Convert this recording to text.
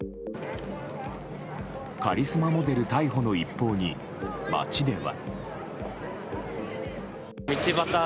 カリスマモデル逮捕の一報に街では。